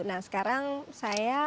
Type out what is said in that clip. nah sekarang saya